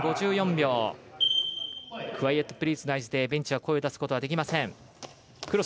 クワイエットプリーズの合図でベンチは声を出すことができません。